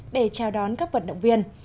để chào đón các vận động viên